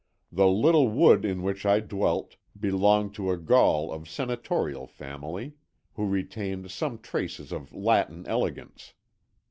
The little wood in which I dwelt belonged to a Gaul of senatorial family, who retained some traces of Latin elegance.